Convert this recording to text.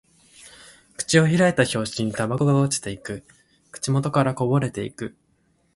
口を開いた拍子にタバコが落ちていく。口元からこぼれていく。